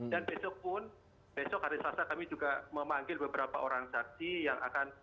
dan besok pun besok hari selasa kami juga memanggil beberapa orang saksi yang akan